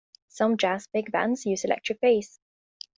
Some jazz big bands use electric bass.